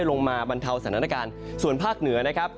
ลงมาบรรเทาสถานการณ์ส่วนภาคเหนือนะครับ